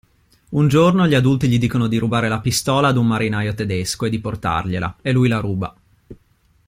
Un giorno gli adulti gli dicono di rubare la pistola ad un marinaio tedesco e di portargliela e lui la ruba.